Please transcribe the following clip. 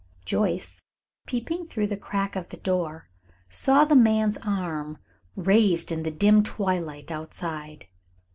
Joyce, peeping through the crack of the door, saw the man's arm raised in the dim twilight outside.